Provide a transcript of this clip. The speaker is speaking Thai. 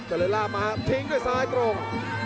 จริงลาภมาทิ้งด้วยซ้ายตรง